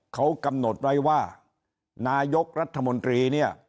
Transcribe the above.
เขากำหนดไว้ว่านายกรัฐมนตรีเนี่ย